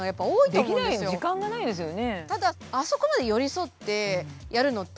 できない時間がないですよね。